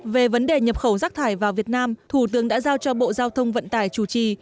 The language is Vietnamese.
về vấn đề nhập khẩu rác thải vào việt nam thủ tướng đã giao cho bộ giao thông vận tải chủ trì